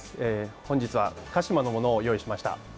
本日は鹿嶋のものを用意しました。